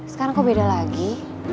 sekarang kok beda lagi